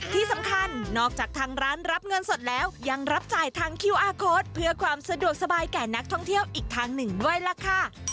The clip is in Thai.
ที่สำคัญนอกจากทางร้านรับเงินสดแล้วยังรับจ่ายทางคิวอาร์โค้ดเพื่อความสะดวกสบายแก่นักท่องเที่ยวอีกทางหนึ่งด้วยล่ะค่ะ